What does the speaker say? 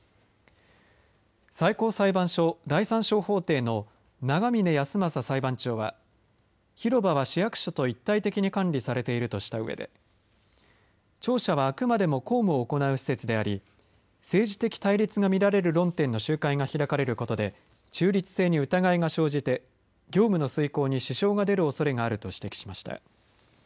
最高裁判所第３小法廷の長嶺安政裁判長は広場は市役所と一体的に管理されているとしたうえで庁舎はあくまでも公務を行う施設であり政治的対立が見られる論点の集会が開かれることで中立性に疑いが生じて業務の遂行に支障が出るおそれがあると指摘しました。